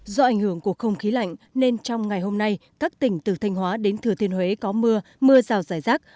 do ảnh hưởng của không khí lạnh nên trong ngày hôm nay các tỉnh từ thanh hóa đến thừa thiên huế có mưa mưa rào rải rác